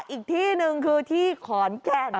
อีกที่หนึ่งคือที่ขอนแก่น